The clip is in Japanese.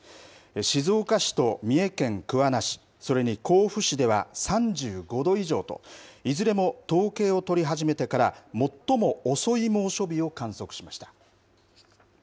静岡市と三重県桑名市それに甲府市では３５度以上といずれも統計を取り始めてから最も遅い猛暑日を観測しました。